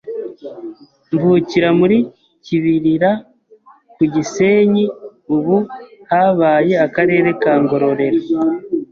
mvukira muri KIBIRIRA ku Gisenyi ubu habaye akarere ka NGORORERO.